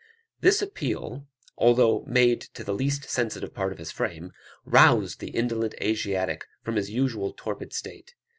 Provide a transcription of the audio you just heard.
This appeal, although made to the least sensitive part of his frame, roused the indolent Asiatic from his usual torpid state.